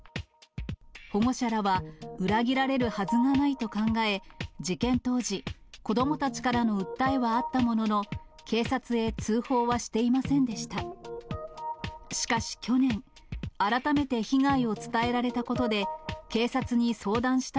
保護者らは、裏切られるはずがないと考え、事件当時、子どもたちからの訴えはあったものの、警察へ通報はしていませんでした。